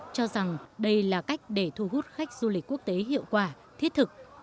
cho rằng đây là cách để thu hút khách du lịch quốc tế hiệu quả thiết thực